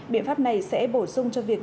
biện pháp này sẽ bổ sung cho việc